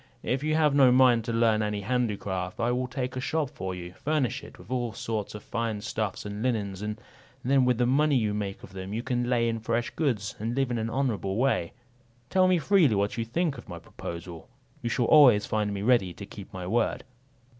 If you have no mind to learn any handicraft, I will take a shop for you, furnish it with all sorts of fine stuffs and linens; and then with the money you make of them you can lay in fresh goods, and live in an honourable way. Tell me freely what you think of my proposal; you shall always find me ready to keep my word."